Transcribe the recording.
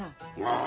ああ。